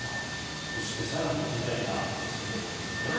そして更に時代が進んでいきますね。